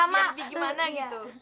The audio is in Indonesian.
biar lebih gimana gitu